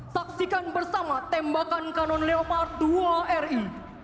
saksikan bersama tembakan kanon leopard dua ri